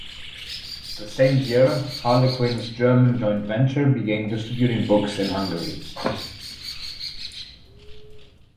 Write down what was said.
The same year, Harlequin's German joint venture began distributing books in Hungary.